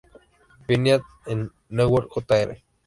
Phineas Newborn, Jr.